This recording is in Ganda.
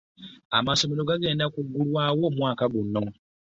Amasomero gagenda kugulwawo omwaka okugya.